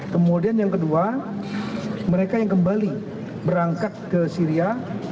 kemudian yang kedua mereka yang kembali berangkat ke syria